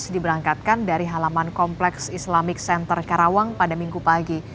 diberangkatkan dari halaman kompleks islamic center karawang pada minggu pagi